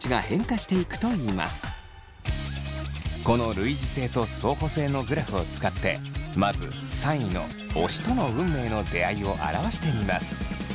この類似性と相補性のグラフを使ってまず３位の推しとの運命の出会いを表してみます。